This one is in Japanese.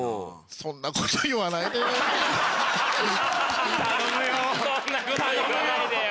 そんなこと言わないでよ・